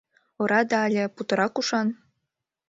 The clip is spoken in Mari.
«Ораде але... путырак ушан?..